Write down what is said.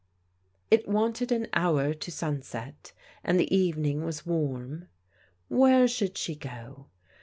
It wanted an hour to sunset, and the evening was warm. Where should she go